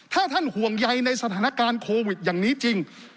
ถ้าท่านห่วงใยในสถานการณ์โควิดอย่างนี้จริง